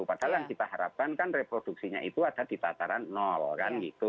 padahal yang kita harapkan kan reproduksinya itu ada di tataran nol kan gitu